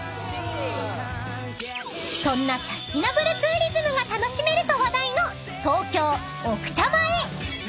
［そんなサスティナブルツーリズムが楽しめると話題の東京奥多摩へ］